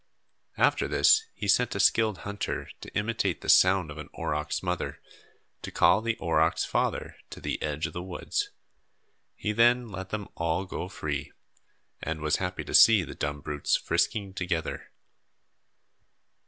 After this he sent a skilled hunter to imitate the sound of an aurochs mother, to call the aurochs father to the edge of the woods. He then let them all go free, and was happy to see the dumb brutes frisking together.